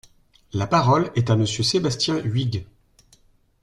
La parole est à Monsieur Sébastien Huyghe.